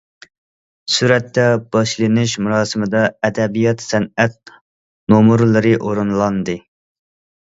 سۈرەتتە: باشلىنىش مۇراسىمىدا ئەدەبىيات سەنئەت نومۇرلىرى ئورۇنلاندى.